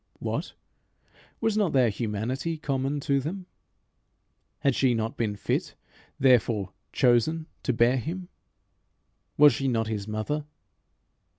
What! was not their humanity common to them? Had she not been fit, therefore chosen, to bear him? Was she not his mother?